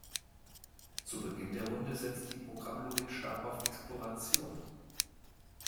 Zu Beginn der Runde setzt die Programmlogik stark auf Exploration.